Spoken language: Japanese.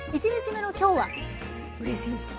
１日目の今日はうれしい。